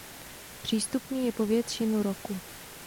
Přístupný je po většinu roku.